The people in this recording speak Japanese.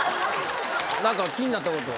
何か気になったこと。